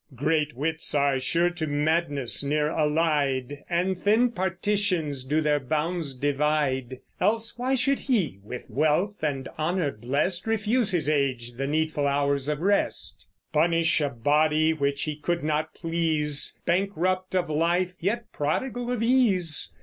Great wits are sure to madness near allied, And thin partitions do their bounds divide; Else why should he, with wealth and honor blest, Refuse his age the needful hours of rest? Punish a body which he could not please; Bankrupt of life, yet prodigal of ease?